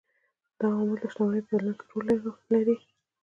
دا عوامل د شتمنۍ په بدلون کې رول لري.